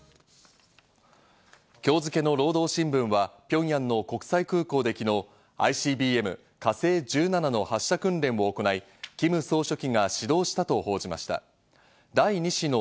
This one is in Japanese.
今日付の労働新聞はピョンヤンの国際空港で昨日、ＩＣＢＭ「火星１７」の発射訓練を行い、キム総書記が指導したと報じました。